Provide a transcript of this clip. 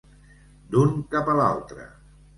D'un cap a l'altre.